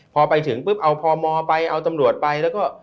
พอไปถึงปุ๊บเอาพมไปเอาตำรวจไปแล้วก็